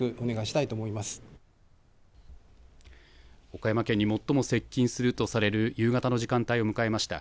岡山県に最も接近するとされる夕方の時間帯を迎えました。